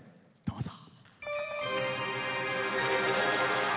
どうぞ。